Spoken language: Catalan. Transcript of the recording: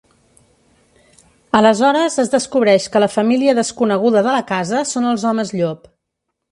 Aleshores es descobreix que la família desconeguda de la casa son els homes llop.